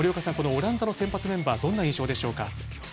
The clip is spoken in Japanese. オランダの先発メンバーどんな印象でしょうか？